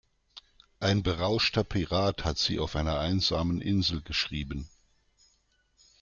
Ein berauschter Pirat hat sie auf einer einsamen Insel geschrieben.